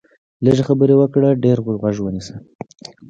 لږې خبرې وکړه، ډېر غوږ ونیسه